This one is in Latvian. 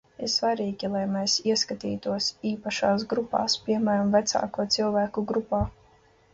Ir svarīgi, lai mēs ieskatītos īpašās grupās, piemēram, vecāku cilvēku grupā.